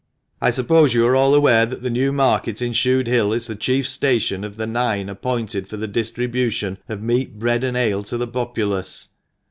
" I suppose you are all aware that the new market in Shude Hill is the chief station of the nine appointed for the distribution of meat, bread, and ale to the populace